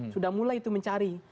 sudah mulai mencari